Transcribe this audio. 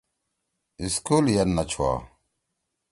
سکول ید نہ چھوا۔